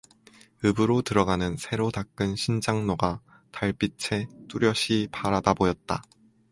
읍으로 들어가는 새로 닦은 신작로가 달빛에 뚜렷이 바라다보였다.